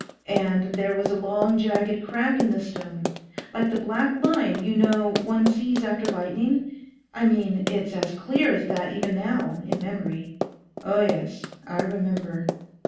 And there was a long jagged crack in the stone, like the black line you know one sees after lightning, I mean it's as clear as that even now, in memory. Oh yes, I remember.